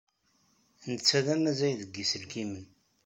Netta d amazzay deg yiselkimen.